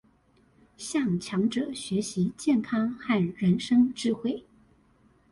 向強者學習健康和人生智慧